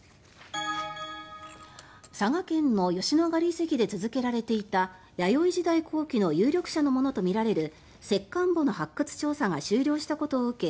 佐賀県の吉野ヶ里遺跡で続けられていた弥生時代後期の有力者のものとみられる石棺墓の発掘調査が終了したことを受け